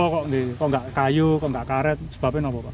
kalau tidak kayu kalau tidak karet sebabnya apa pak